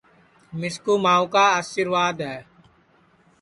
مِسکُو ماؤں کا آسرِواد ہے